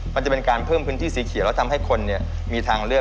มันจะเป็นการเพิ่มพื้นที่สีเขียวแล้วทำให้คนมีทางเลือก